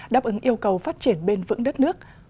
đáp ứng yêu cầu phát triển bền vững đất nước